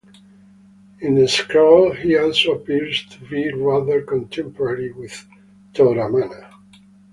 In the scroll he also appears to be rather contemporary with Toramana.